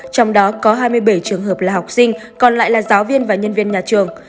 trong đó có hai mươi bảy trường hợp là học sinh còn lại là giáo viên và nhân viên nhà trường